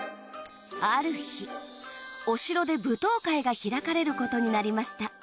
ある日お城で舞踏会が開かれることになりました。